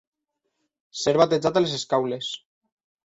Ser batejat a les Escaules.